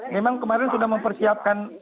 memang kemarin sudah mempersiapkan